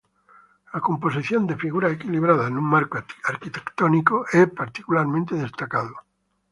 La composición de figuras equilibradas en un marco arquitectónico es particularmente destacado.